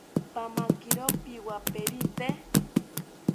Pamakiro piwaperite